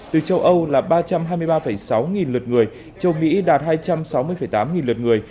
từ châu âu là ba trăm hai mươi ba sáu nghìn lượt người châu mỹ đạt hai trăm sáu mươi tám nghìn lượt người